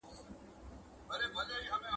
د زرو په قدر زرگر پوهېږي.